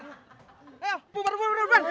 ayo bumbar bumbar bumbar